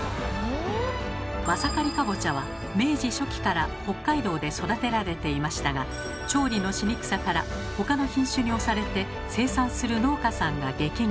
マサカリかぼちゃは明治初期から北海道で育てられていましたが調理のしにくさから他の品種に押されて生産する農家さんが激減。